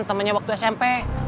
temennya waktu smp